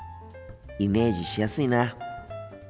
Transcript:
イメージしやすいな。